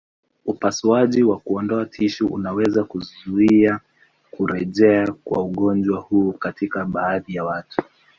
Upasuaji wa kuondoa tishu unaweza kuzuia kurejea kwa ugonjwa huu katika baadhi ya watu.